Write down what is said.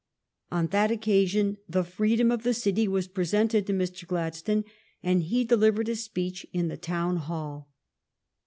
On that occasion the freedom of the city was presented to Mr. Glad stone^ and he delivered a speech in the Town Hall.